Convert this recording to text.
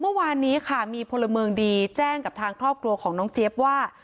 เมื่อวานนี้ค่ะมีพลเมืองดีแจ้งกับทางครอบครัวของน้องเจี๊ยบว่า